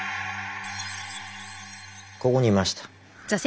ここにいました。